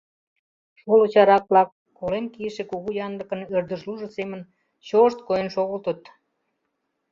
Шоло чарак-влак, колен кийыше кугу янлыкын ӧрдыжлужо семын, чо-ошт койын шогылтыт.